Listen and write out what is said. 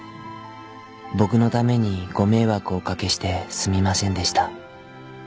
僕のためにご迷惑をお掛けしてすみませんでした。